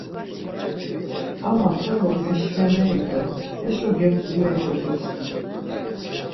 Ama xolo meşveneri do heşo gem-zuleri kodoskidu.